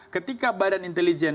ketika badan intelijen